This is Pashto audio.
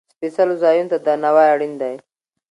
سپېڅلو ځایونو ته درناوی اړین دی.